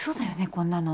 こんなの。